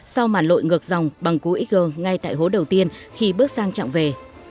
sau màn lội ngược dòng bằng cú xg ngay tại hố đầu tiên khi bước sang trạng về